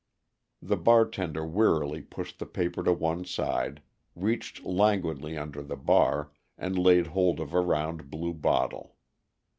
The bartender wearily pushed the paper to one side, reached languidly under the bar, and laid hold of a round blue bottle.